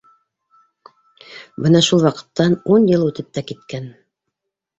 Бына шул ваҡыттан ун йыл үтеп тә киткән.